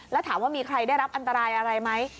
แล้วถามว่ามีใครได้รับอันตรายอะไรไหม